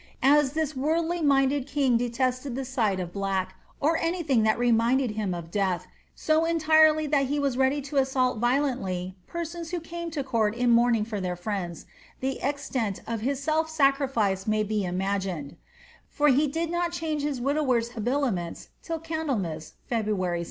As this voridly minded king detested the sight of black, or any thing that re minded him of death, so entirely that he was ready to assault violently persons who came to court in mourning for their friends, the extent of his self sacrifice may be imagined ; for he did not change his widower's habiliments till Candlemas (February 2).